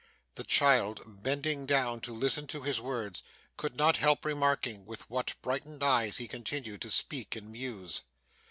The child, bending down to listen to his words, could not help remarking with what brightened eyes he continued to speak and muse.